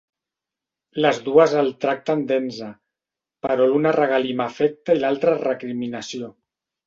Les dues el tracten d'enze, però l'una regalima afecte i l'altra recriminació.